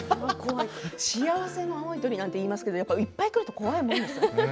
幸せの青い鳥なんていいますけどいっぱい来ると怖いものですね。